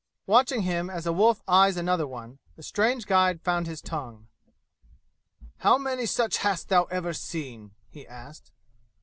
Watching him as a wolf eyes another one, the strange guide found his tongue. "How many such hast thou ever seen?" he asked.